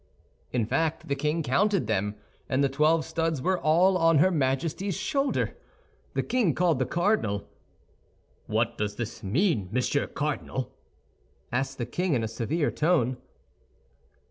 In fact the king counted them, and the twelve studs were all on her Majesty's shoulder. The king called the cardinal. "What does this mean, Monsieur Cardinal?" asked the king in a severe tone.